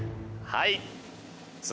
はい！